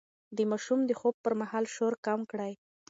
د ماشوم د خوب پر مهال شور کم کړئ.